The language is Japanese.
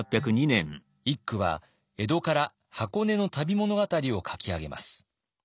一九は江戸から箱根の旅物語を書き上げます。